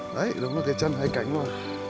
đấy đúng là cái chân hay cánh mà